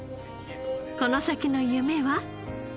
この先の夢は？